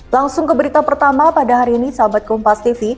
langsung ke berita pertama pada hari ini sahabat kompas tv